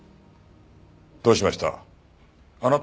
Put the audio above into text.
どうしました？